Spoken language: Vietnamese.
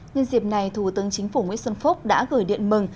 nhân dịp này thủ tướng chính phủ nguyễn xuân phúc đã gửi điện mừng